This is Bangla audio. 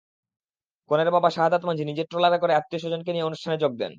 কনের বাবা শাহদাত মাঝি নিজের ট্রলারে করে আত্মীয়স্বজনকে নিয়ে অনুষ্ঠানে যোগ দেন।